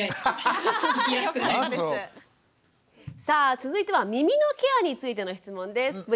さあ続いては耳のケアについての質問です。